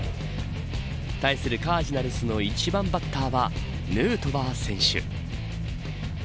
対するカージナルスの１番バッターはヌートバー選手。